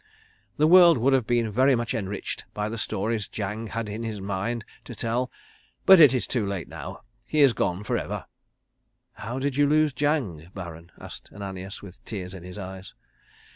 The world would have been very much enriched by the stories Jang had in his mind to tell, but it is too late now. He is gone forever." "How did you lose Jang, Baron?" asked Ananias, with tears in his eyes.